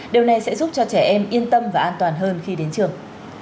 điều này sẽ giúp cho trẻ em yên tâm và an toàn hơn khi đến trường